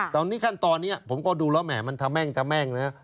ตอนนี้ขั้นตอนนี้ผมก็ดูแล้วแหมมันทะแม่งทะแม่งนะ